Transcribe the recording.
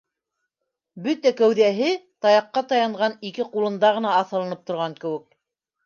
Бөтә кәүҙәһе таяҡҡа таянған ике ҡулында ғына аҫылынып торған кеүек.